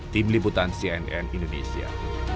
tim liputan cnn indonesia